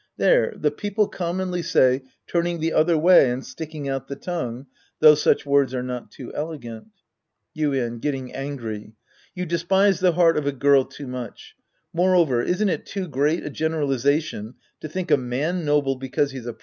There, the people commonly say " turning the other way and sticking out the tongue," though such words are not too elegant. Yuien {getting angry). You despise the heart of a girl too much. Moreover, isn't it too great a gene ralization to tliinic a man noble because he's a priest Sc.